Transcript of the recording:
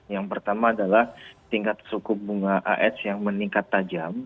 yang pertama adalah tingkat suku bunga as yang meningkat tajam